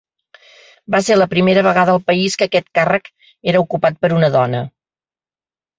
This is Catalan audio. Va ser la primera vegada al país que aquest càrrec era ocupat per una dona.